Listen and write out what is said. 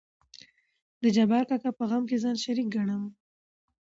د جبار کاکا په غم کې ځان شريک ګنم.